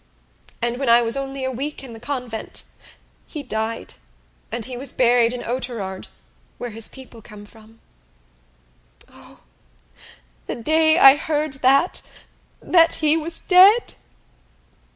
And when I was only a week in the convent he died and he was buried in Oughterard where his people came from. O, the day I heard that, that he was dead!"